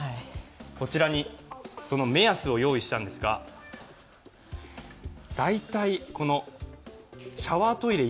こちらに、その目安を用意したんですが大体シャワートイレ